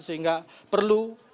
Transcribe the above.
sehingga perlu diberikan pelayanan